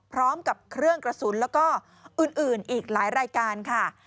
พร้อมกับเครื่องกระสุนแล้วก็อื่นอีกหลายรายการค่ะ